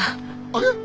あれ？